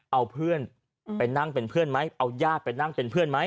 เอาเพื่อนไปนั่งเป็นเพื่อนไหมเอาญาติไปนั่งเป็นเพื่อนไหม